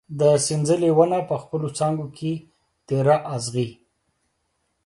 د سنځلې ونه په خپلو څانګو کې تېره اغزي